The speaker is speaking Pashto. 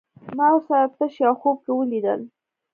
ما ورسره تش يو خوب کې وليدل